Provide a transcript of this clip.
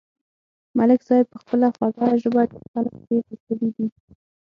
ملک صاحب په خپله خوږه ژبه ډېر خلک تېر ایستلي دي.